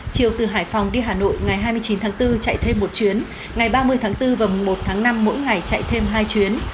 chiều từ hải phòng đi hà nội ngày hai mươi chín tháng bốn chạy thêm một chuyến ngày ba mươi tháng bốn và một tháng năm mỗi ngày chạy thêm hai chuyến